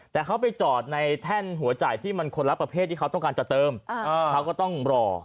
แต่เขาไปจอดในแท่นหัวจ่ายที่มันคนละประเภทที่เขาต้องการจะเติมเขาก็ต้องรอ